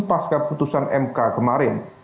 pasca putusan mk kemarin